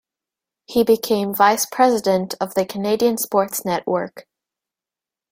He became vice-president of the Canadian Sports Network.